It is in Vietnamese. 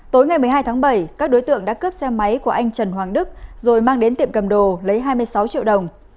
tối ngày một mươi hai tháng bảy các đối tượng đã cướp xe máy của anh trần hoàng đức rồi mang đến tiệm cầm đồ lấy hai mươi sáu triệu đồng